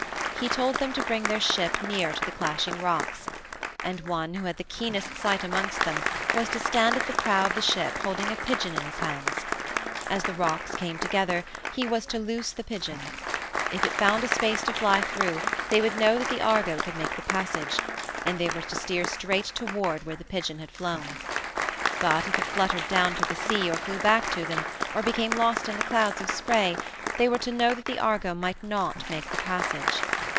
He told them to bring their ship near to the Clashing Rocks. And one who had the keenest sight amongst them was to stand at the prow of the ship holding a pigeon in his hands. As the rocks came together he was to loose the pigeon. If it found a space to fly through they would know that the Argo could make the passage, and they were to steer straight toward where the pigeon had flown. But if it fluttered down to the sea, or flew back to them, or became lost in the clouds of spray, they were to know that the Argo might not make that passage.